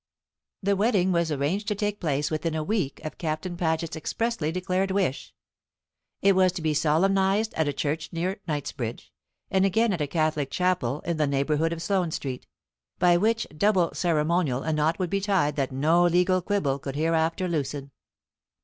The wedding was arranged to take place within a week of Captain Paget's expressly declared wish. It was to be solemnised at a church near Knightsbridge, and again at a Catholic chapel in the neighbourhood of Sloane street; by which double ceremonial a knot would be tied that no legal quibble could hereafter loosen.